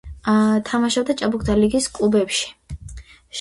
თამაშობდა ჭაბუკთა ლიგის კლუბებში.